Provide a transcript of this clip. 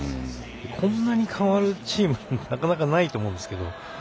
こんなに変わるチームってなかなかないと思うんですけど。